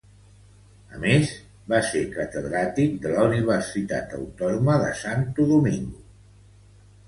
A més, va ser catedràtic de la Universitat Autònoma de Santo Domingo.